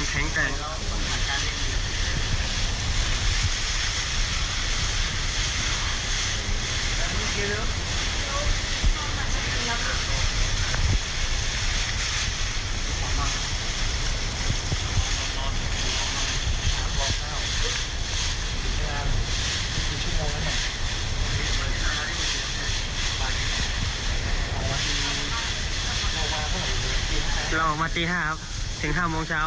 หล่อมาตีหาวถึงห้าวโมงเจ้า